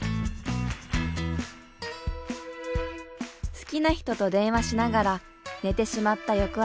好きな人と電話しながら寝てしまった翌朝。